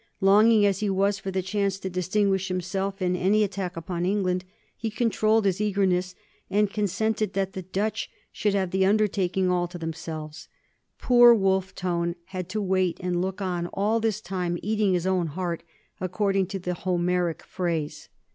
Longing as he was for the chance to distinguish himself in any attack upon England, he controlled his eagerness and consented that the Dutch should have the undertaking all to themselves. Poor Wolfe Tone had to wait and look on all this time, eating his own heart, according to the Homeric phrase.